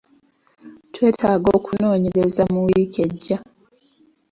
Twetaaga okunoonyereza mu wiiki ejja.